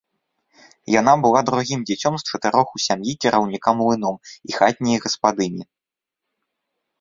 Яна была другім дзіцём з чатырох у сям'і кіраўніка млыном і хатнія гаспадыні.